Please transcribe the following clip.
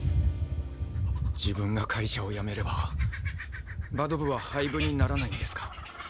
自分が会社を辞めればバド部は廃部にならないんですか？